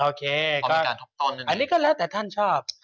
โอเคอันนี้ก็แล้วแต่ท่านชอบ